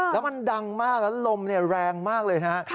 แล้วมันดังมากแล้วลมแรงมากเลยนะฮะ